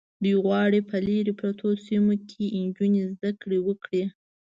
دوی غواړي په لرې پرتو سیمو کې نجونې زده کړې وکړي.